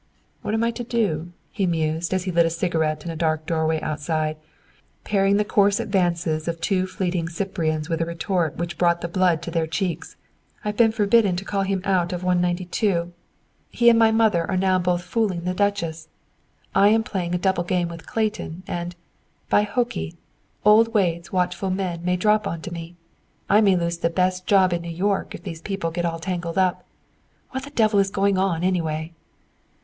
"What am I to do?" he mused, as he lit his cigarette in a dark doorway outside, parrying the coarse advances of two fleeting Cyprians with a retort which brought the blood to their cheeks, leaping up under the plastered rouge. "I've been forbidden to call him out of 192; he and my mother are both now fooling the Duchess; I am playing a double game with Clayton, and, by Hokey, old Wade's watchful men may drop on to me. I may lose the best job in New York if these people get all tangled up. What the devil is going on, anyway?"